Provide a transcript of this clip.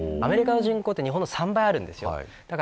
アメリカの人口は日本の３倍なんです。